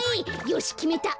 よしきめた。